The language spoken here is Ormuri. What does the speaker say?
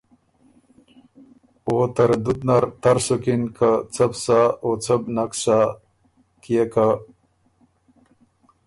او تردُد نر تر سُکِن که څۀ بو سَۀ او څۀ بو نک سَۀ کيې که